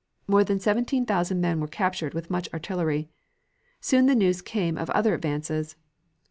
More than seventeen thousand men were captured with much artillery. Soon the news came of other advances.